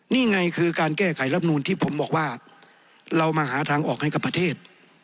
นี่ไงคือการแก้ไขรับนูนที่ผมบอกว่าเรามาหาทางออกให้กับประเทศ